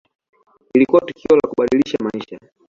Ilikuwa tukio la kubadilisha maisha.